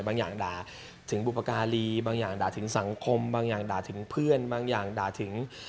บางอย่างด่าถึงบุปการีบางอย่างด่าถึงสังคมบางอย่างด่าถึงเพื่อนบางอย่างด่าถึง